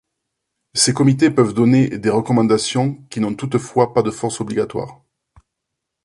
Ces comités peuvent donner des recommandations, qui n'ont toutefois pas de force obligatoire.